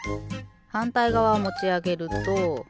はんたいがわをもちあげると。